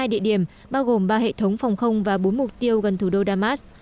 hai địa điểm bao gồm ba hệ thống phòng không và bốn mục tiêu gần thủ đô damas